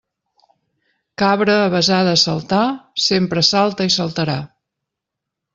Cabra avesada a saltar sempre salta i saltarà.